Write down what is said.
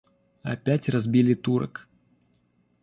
Опять разбили Турок.